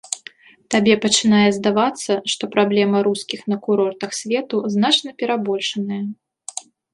Табе пачынае здавацца, што праблема рускіх на курортах свету значна перабольшаная.